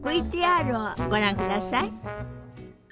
ＶＴＲをご覧ください。